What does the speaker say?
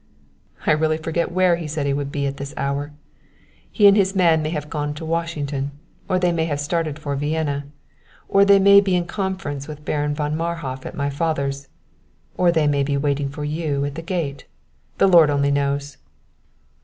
"I really forget where he said he would be at this hour. He and his man may have gone to Washington, or they may have started for Vienna, or they may be in conference with Baron von Marhof at my father's, or they may be waiting for you at the gate. The Lord only knows!"